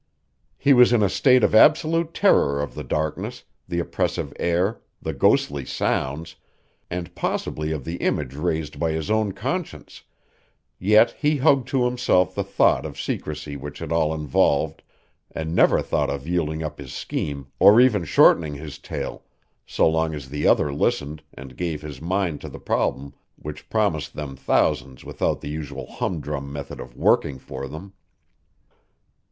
He was in a state of absolute terror of the darkness, the oppressive air, the ghostly sounds, and possibly of the image raised by his own conscience, yet he hugged to himself the thought of secrecy which it all involved, and never thought of yielding up his scheme or even shortening his tale, so long as the other listened and gave his mind to the problem which promised them thousands without the usual humdrum method of working for them.